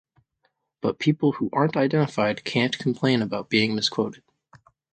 But people who aren’t identified can’t complain about being misquoted.